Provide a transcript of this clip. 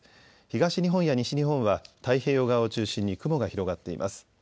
東日本や西日本は太平洋側を中心に雲が広がっています。